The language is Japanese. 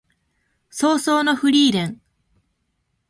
葬送のフリーレン